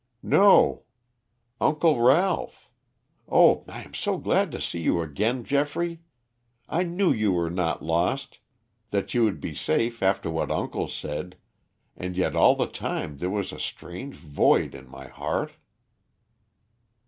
"No, Uncle Ralph. Oh, I am so glad to see you again, Geoffrey. I knew you were not lost, that you would be safe after what uncle said, and yet all the time there was a strange void in my heart."